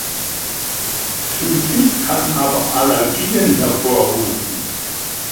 Sulfit kann aber Allergien hervorrufen.